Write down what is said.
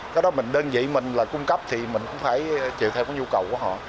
cái đó mình đơn vị mình là cung cấp thì mình cũng phải chịu theo cái nhu cầu của họ